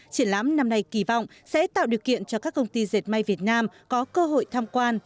triển lãm năm nay kỳ vọng sẽ tạo điều kiện cho các công ty dệt may việt nam có cơ hội tham quan